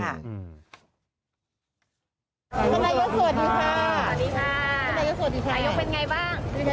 สวัสดีค่ะ